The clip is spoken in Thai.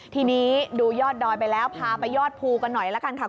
ทีนี้ดูยอดดอยไปแล้วพาไปยอดภูกันหน่อยละกันค่ะ